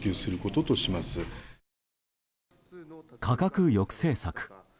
価格抑制策